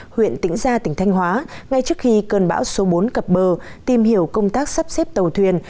huyện tĩnh gia tỉnh thanh hóa ngay trước khi cơn bão số bốn cập bờ tìm hiểu công tác sắp xếp tàu thuyền